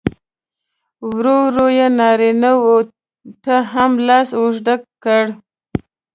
ورو ورو یې نارینه و ته هم لاس اوږد کړ.